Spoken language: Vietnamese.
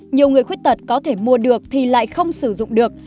nhiều người khuyết tật có thể mua được thì lại không sử dụng được